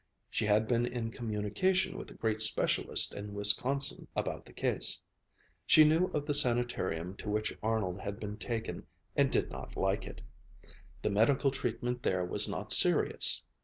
She had been in communication with a great specialist in Wisconsin about the case. She knew of the sanitarium to which Arnold had been taken and did not like it. The medical treatment there was not serious.